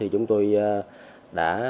chúng tôi đã